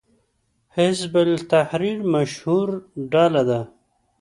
حزب التحریر مشهوره ډله ده